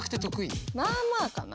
まあまあかな。